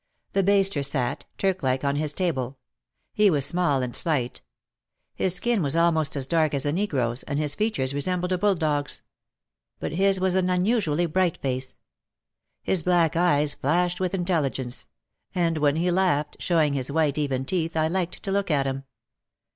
The baster sat, Turk like, on his table. He was small and slight. His skin was almost as dark as a negro's and his features resembled a bull dog's. But his was an unusual ly bright face. His black eyes flashed with intelligence. And when he laughed, showing his white, even teeth, I liked to look at him.